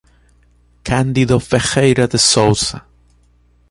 Candido Ferreira de Souza